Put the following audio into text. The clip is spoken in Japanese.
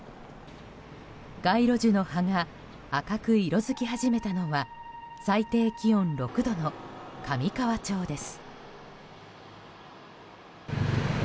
街路樹の葉が赤く色づき始めたのは最低気温６度の上川町です。